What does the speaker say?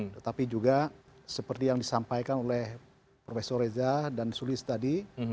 tetapi juga seperti yang disampaikan oleh profesor reza dan sulis tadi